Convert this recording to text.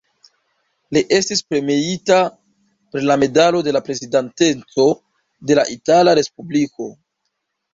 Li estis premiita per la Medalo de la Prezidanteco de la Itala Respubliko.